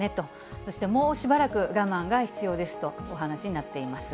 そしてもうしばらく我慢が必要ですとお話になっています。